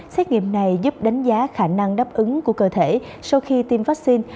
xét nghiệm này giúp đánh giá khả năng đáp ứng của cơ thể sau khi tiêm vaccine